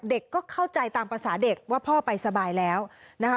ก็เข้าใจตามภาษาเด็กว่าพ่อไปสบายแล้วนะคะ